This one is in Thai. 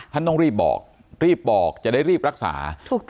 ท่านต้องรีบบอกรีบบอกจะได้รีบรักษา